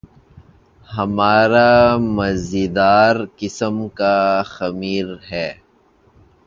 ہمارا مزیدار قسم کا خمیر ہے۔